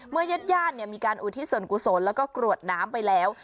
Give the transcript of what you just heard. ญาติญาติมีการอุทิศส่วนกุศลแล้วก็กรวดน้ำไปแล้ว